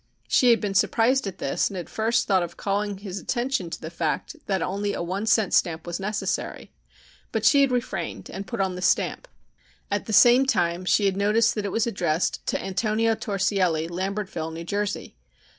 She had been surprised at this, and had at first thought of calling his attention to the fact that only a one cent stamp was necessary, but she had refrained and put on the stamp. At the same time she had noticed that it was addressed to "Antonio Torsielli, Lambertville, New Jersey."